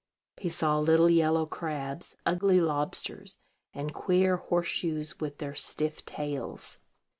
He saw little yellow crabs, ugly lobsters, and queer horse shoes with their stiff tails.